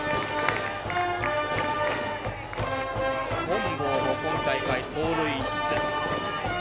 本坊も今大会盗塁５つ。